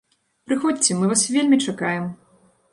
Прыходзьце, мы вас вельмі чакаем!